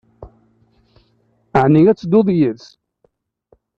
Ɛni ad tedduḍ yid-s?